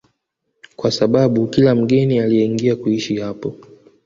kwa sababu kila mgeni alieingia kuishi hapo